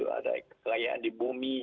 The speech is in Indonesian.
ada kekayaan di bumi